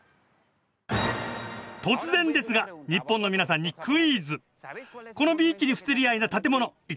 突然ですがニッポンの皆さんにクイズ！